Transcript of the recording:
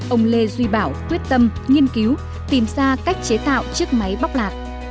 ông lê duy bảo quyết tâm nghiên cứu tìm ra cách chế tạo chiếc máy bóc lạc